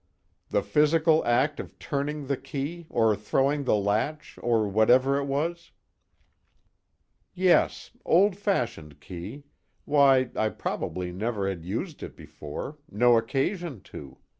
The physical act of turning the key or throwing the latch or whatever it was?" "Yes. Old fashioned key why, I probably never had used it before, no occasion to.